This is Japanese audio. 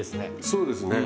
そうですね。